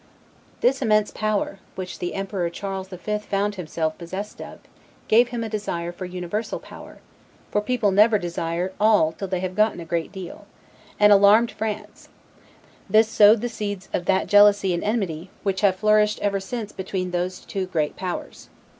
This immense power, which the Emperor Charles the Fifth found himself possessed of, gave him a desire for universal power (for people never desire all till they have gotten a great deal), and alarmed France; this sowed the seeds of that jealousy and enmity, which have flourished ever since between those two great powers.